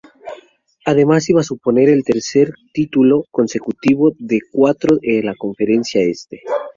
Además iba a suponer el tercer título consecutivo de cuatro de la Conferencia Este.